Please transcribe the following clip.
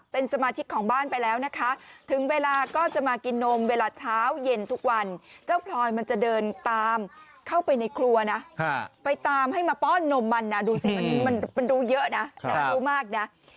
เป็นสมาชิกของบ้านไปแล้วนะคะถึงเวลาก็จะมากินนมเวลาเช้าเย็นทุกวันเจ้าพลอยมันจะเดินตามเข้าไปในครัวนะไปตามให้มาป้อนนมมันนะดูสิมันรู้เยอะนะน่ารู้มากนะ